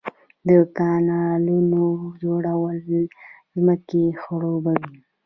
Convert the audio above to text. د کانالونو جوړول ځمکې خړوبوي